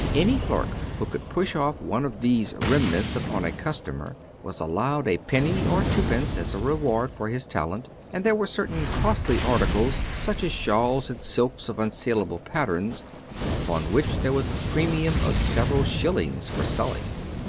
Any clerk who could push off one of these remnants upon a customer was allowed a penny or twopence as a reward for his talent; and there were certain costly articles, such as shawls and silks of unsalable patterns, upon which there was a premium of several shillings for selling.